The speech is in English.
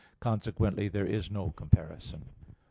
Consequently there is no comparison.